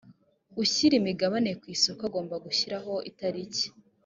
ushyira imigabane ku isoko agomba gushyiraho itariki